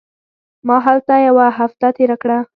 ما هلته یوه هفته تېره کړه.